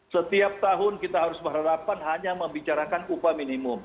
setiap tahun kita harus berhadapan hanya membicarakan upah minimum